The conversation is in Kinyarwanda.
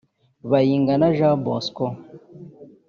Bayingana Jean Bosco